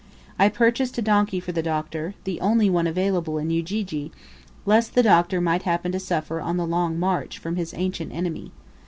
I purchased a donkey for the Doctor, the only one available in Ujiji, lest the Doctor might happen to suffer on the long march from his ancient enemy.